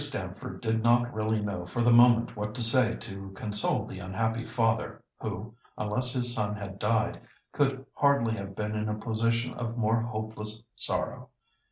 Stamford did not really know for the moment what to say to console the unhappy father, who, unless his son had died, could hardly have been in a position of more hopeless sorrow.